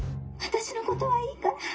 「私のことはいいから。